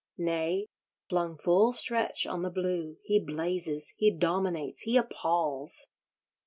Nay, flung full stretch on the blue, he blazes, he dominates, he appals!